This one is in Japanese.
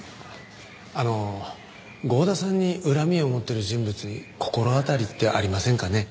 あの郷田さんに恨みを持ってる人物に心当たりってありませんかね？